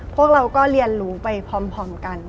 พวกเราก็เรียนรู้ไปพร้อมกัน